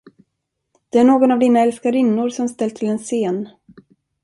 Det är någon av dina älskarinnor, som ställt till en scen.